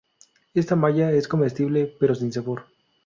Esta malla es comestible, pero sin sabor.